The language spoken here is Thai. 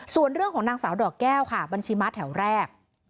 ส่วนเรื่องของนางสาวดอกแก้วค่ะบัญชีม้าแถวแรก